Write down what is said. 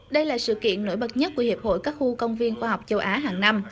đây là sự kiện nổi bật nhất của hiệp hội các khu công viên khoa học châu á hàng năm